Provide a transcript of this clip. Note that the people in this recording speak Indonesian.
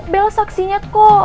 bel saksinya kok